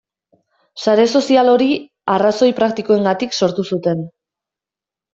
Sare sozial hori arrazoi praktikoengatik sortu zuten.